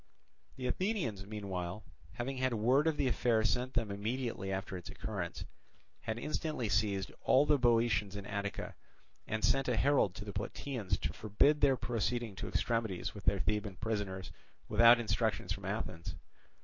The Athenians meanwhile, having had word of the affair sent them immediately after its occurrence, had instantly seized all the Boeotians in Attica, and sent a herald to the Plataeans to forbid their proceeding to extremities with their Theban prisoners without instructions from Athens.